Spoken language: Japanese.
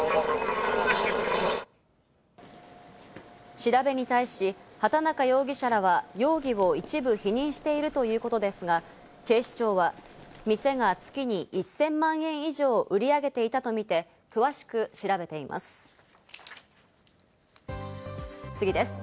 調べに対し、畑中容疑者らは容疑を一部否認しているということですが、警視庁は店が月に１０００万円以上を売り上げていたとみて、次です。